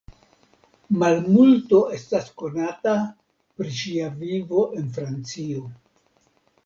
Malmulto estas konata pri ŝia vivo en Francio.